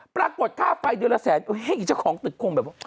ปรากฏค่าไฟเดือนละแสนให้อีกเจ้าของตึกคงแบบว่า